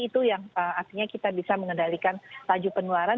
itu yang artinya kita bisa mengendalikan laju penularan